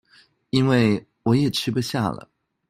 因為我也吃不下了